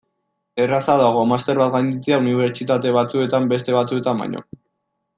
Errazagoa da master bat gainditzea unibertsitate batzuetan beste batzuetan baino.